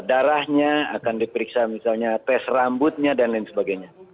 darahnya akan diperiksa misalnya tes rambutnya dan lain sebagainya